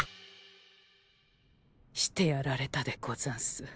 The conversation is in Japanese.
してやられたでござんす。